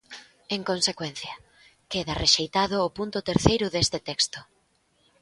En consecuencia, queda rexeitado o punto terceiro deste texto.